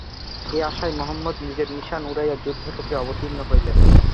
এই আশায় মহম্মদ নিজের নিশান উড়াইয়া যুদ্ধক্ষেত্রে অবতীর্ণ হইলেন।